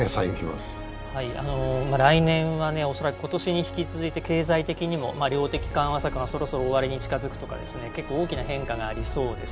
来年は今年に引き続き、経済的にも量的緩和策がそろそろ終わりに近づくとか、結構大きな変化がありそうです。